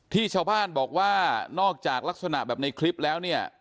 ชาวบ้านบอกว่านอกจากลักษณะแบบในคลิปแล้วเนี่ย